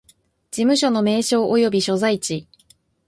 事務所の名称及び所在地